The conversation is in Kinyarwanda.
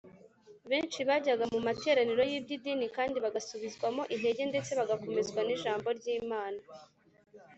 Benshi bajya mu materaniyo y’iby’idini, kandi bagasubizwamo intege ndetse bagakomezwa n’ijambo ry’Imana